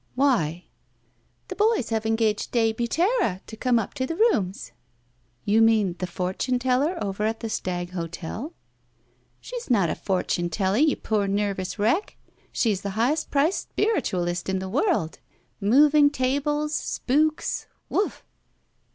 Why?" The boys have engaged De Butera to come up to the rooms." "You mean the fortune teller over at the Stag Hotel?" "She's not a fortune teller, you poor nervous wreck. She's the highest priced spiritualist in the world. Moving tables — spooks — ^woof!"